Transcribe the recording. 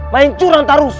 main curang terus